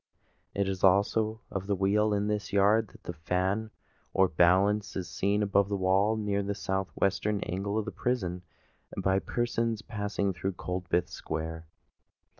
It is also of the wheel in this yard that the fan, or balance, is seen above the wall near the south western angle of the prison, by persons passing through Coldbath Square.